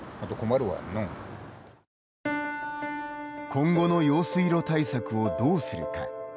今後の用水路対策をどうするか。